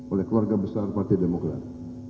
oleh keluarga besar partai demokrat